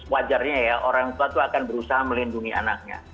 wajarnya ya orang tua itu akan berusaha melindungi anaknya